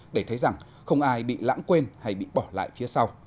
để thấy rằng không ai bị lãng quên hay bị bỏ lại phía sau